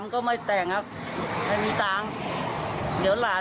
ก็เปิดประตูให้